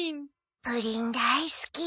プリン大好き。